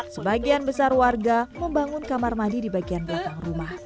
sebagian besar warga membangun kamar mandi di bagian belakang rumah